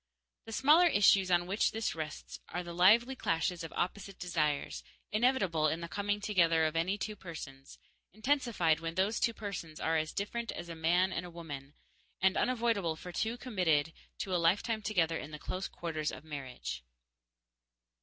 _ The smaller issues on which this rests are the lively clashes of opposite desires, inevitable in the coming together of any two persons, intensified when those two persons are as different as a man and a woman, and unavoidable for two committed to a lifetime together in the close quarters of marriage.